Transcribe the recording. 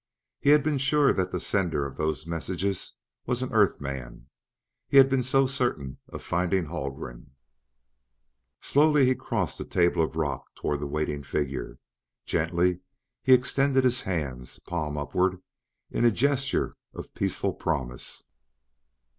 He had been to sure that the sender of those messages was an Earth man; he had been so certain of finding Haldgren. Slowly he crossed the table of rock toward the waiting figure; gently he extended his hands, palms upward, in a gesture of peaceful promise.